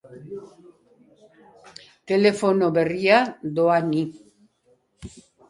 Telefono berria, doan!